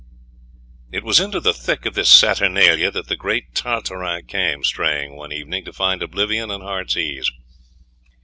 It was into the thick of this saturnalia that the great Tartarin came straying one evening to find oblivion and heart's ease.